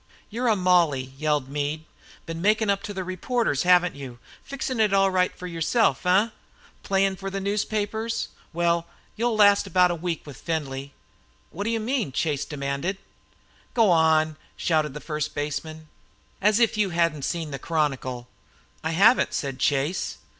"You're a Molly!" yelled Meade. "Been makin' up to the reporters, haven't you? Fixin' it all right for yourself, eh? Playin' for the newspapers? Well you'll last about a week with Findlay." "What do you mean?" demanded Chase. "Go wan!" shouted the first base man. "As if you hadn't seen the Chronicle!" "I haven't," said Chase.